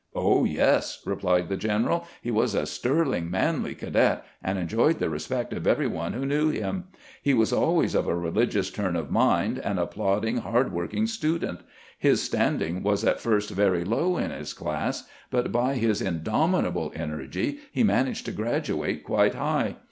" Oh, yes," replied the general; "he was a sterling, manly cadet, and enjoyed the respect of every one who knew him. He was always of a rehgious turn of mind, and a plod ding, hard working student. His standing was at first very low in his class, but by his indomitable energy he managed to graduate quite high.